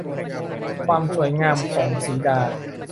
ความสวยงามของสีดา